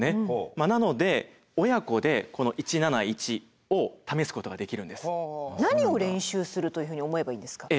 なので何を練習するというふうに思えばいいんですか？